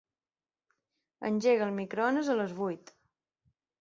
Engega el microones a les vuit.